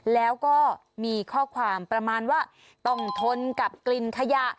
แล้วก็มีข้อความประมาณว่าต้องทนกับกลิ่นขยะ